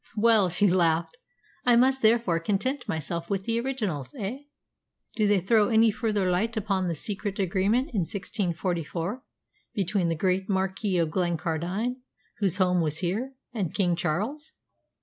"Well," she laughed, "I must therefore content myself with the originals, eh? Do they throw any further light upon the secret agreement in 1644 between the great Marquess of Glencardine, whose home was here, and King Charles?"